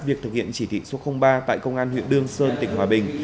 việc thực hiện chỉ thị số ba tại công an huyện đương sơn tỉnh hòa bình